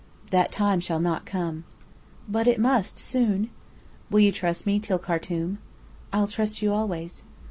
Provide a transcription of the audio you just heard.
"That time shall not come." "But it must soon." "Will you trust me, till Khartum?" "I'll trust you always."